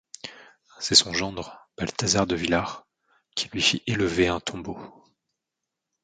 C’est son gendre, Balthazard de Villars, qui lui fit élever un tombeau.